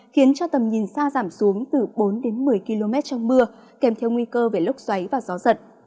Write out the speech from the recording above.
khiến cho tầm nhìn xa giảm xuống từ bốn đến một mươi km trong mưa kèm theo nguy cơ về lốc xoáy và gió giật